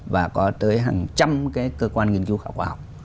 và có tới hàng trăm cái cơ quan nghiên cứu khảo cổ học